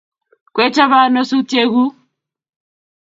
Kwechapee ano sutyek guuk?